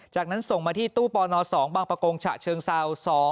จากนั้นส่งมาที่ตู้ปน๒บางประกงฉะเชิงเซา